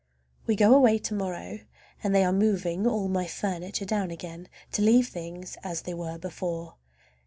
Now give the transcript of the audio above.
We go away to morrow, and they are moving all my furniture down again to leave things as they were before.